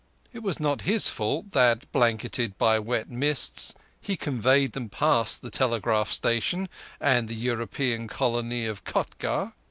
It was not his fault that, blanketed by wet mists, he conveyed them past the telegraph station and European colony of Kotgarh.